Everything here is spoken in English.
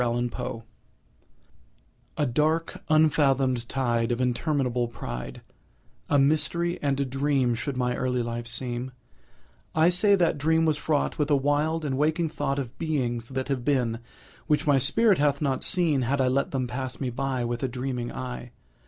IMITATION A dark unfathom'd tide Of interminable pride— A mystery, and a dream, Should my early life seem; I say that dream was fraught With a wild, and waking thought Of beings that have been, Which my spirit hath not seen, Had I let them pass me by, With a dreaming eye!